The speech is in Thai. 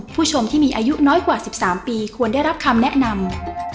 ผู้ชมที่มีอายุน้อยกว่า๑๓ปีควรได้รับคำแนะนำ